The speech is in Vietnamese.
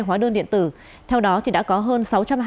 hóa đơn điện tử theo đó thì đã có hơn